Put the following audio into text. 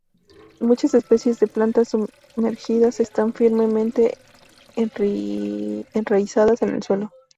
Muchas especies de plantas sumergidas están firmemente enraizadas en suelo.